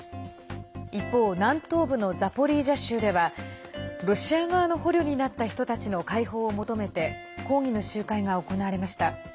一方、南東部のザポリージャ州ではロシア側の捕虜になった人たちの解放を求めて抗議の集会が行われました。